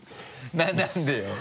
何でよ？